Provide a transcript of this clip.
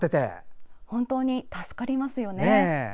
本当に助かりますよね。